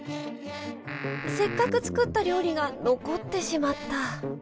せっかく作った料理が残ってしまった。